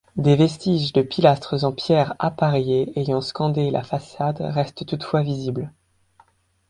Des vestiges de pilastres en pierre appareillée ayant scandés la façade restent toutefois visibles.